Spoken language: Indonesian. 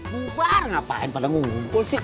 bubar ngapain pada ngumpul sih